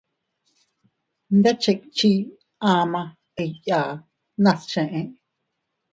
Ndichichi ama iiyaa nas cheé.